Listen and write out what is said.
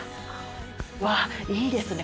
うわっいいですね